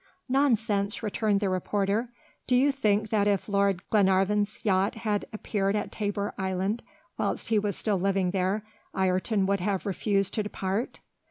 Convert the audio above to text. "Nonsense!" returned the reporter; "do you think that if Lord Glenarvan's yacht had appeared at Tabor Island, whilst he was still living there, Ayrton would have refused to depart?"